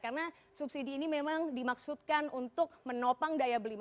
karena subsidi ini memang dimaksudkan untuk menopang daya berusaha